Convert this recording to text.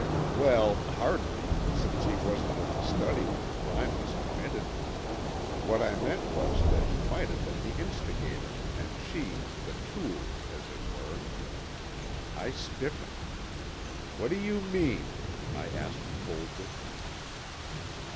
"Well, hardly, since he wasn't in the study when the crime was committed. What I meant was that he might have been the instigator; and she, the tool, as it were." I stiffened. "What do you mean?" I asked coldly.